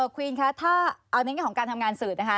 ควีนคะถ้าเอาในแง่ของการทำงานสื่อนะคะ